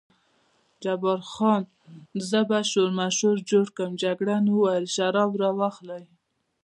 جبار خان: زه به شورماشور جوړ کړم، جګړن وویل شراب را واخلئ.